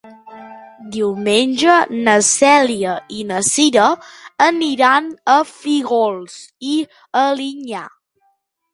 Diumenge na Cèlia i na Cira aniran a Fígols i Alinyà.